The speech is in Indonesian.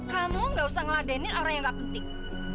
kamu nggak usah ngeladenin orang yang nggak penting